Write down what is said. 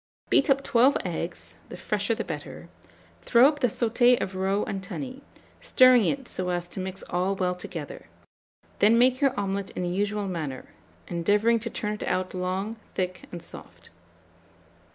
Beat up 12 eggs (the fresher the better); throw up the sauté of roe and tunny, stirring it so as to mix all well together; then make your omelet in the usual manner, endeavouring to turn it out long, thick, and soft.